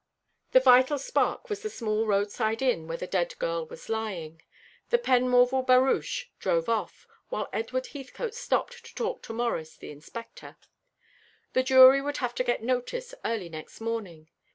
The Vital Spark was the small roadside inn where the dead girl was lying. The Penmorval barouche drove off, while Edward Heathcote stopped to talk to Morris, the Inspector. The jury would have to get notice early next morning.